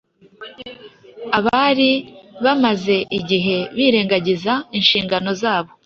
Abari bamaze igihe birengagiza inshingano zabo,